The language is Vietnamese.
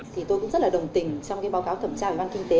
tôi cũng rất đồng tình trong báo cáo thẩm tra ủy ban kinh tế